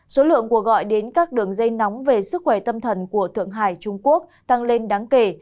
số lượng cuộc gọi đến các đường dây nóng về sức khỏe tâm thần của thượng hải trung quốc tăng lên đáng kể